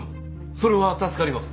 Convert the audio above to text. それは助かります。